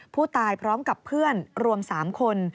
ผู้ตายพร้อมกับเพื่อนรวม๓คน